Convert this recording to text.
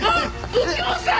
右京さん。